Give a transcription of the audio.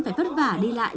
phải phất vả đi lại